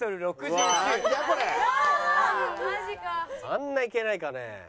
あんないけないかね。